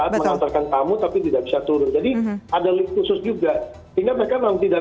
saat mengantarkan tamu tapi tidak bisa turun jadi ada lift khusus juga sehingga mereka memang tidak